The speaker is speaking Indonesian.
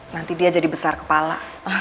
nanti dia jadi besar kepala